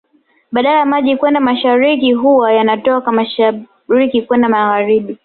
Badala ya maji kwenda mashariki huwa yana toka mashariki kwenda magharibi